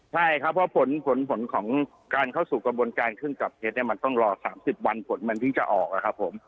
ใช่ครับเพราะผลผลของการเข้าสู่กระบวนการเครื่องจับเท็จเนี่ยมันต้องรอ๓๐วันผลมันเพิ่งจะออกนะครับผม